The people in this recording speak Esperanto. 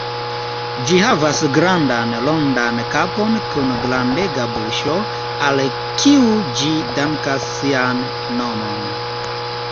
Ĝi havas grandan, rondan kapon kun grandega buŝo, al kiu ĝi dankas sian nomon.